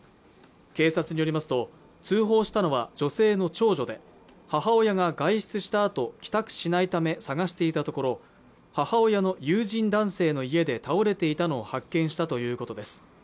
警察によりますと通報したのは女性の長女で母親が外出したあと帰宅しないため探していたところ母親の友人男性の家で倒れていたのを発見したということです